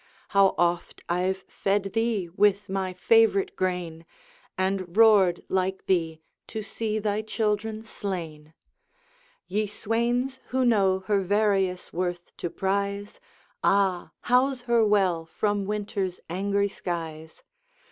How oft I've fed thee with my favorite grain! And roared, like thee, to see thy children slain. Ye swains who know her various worth to prize, Ah! house her well from winter's angry skies.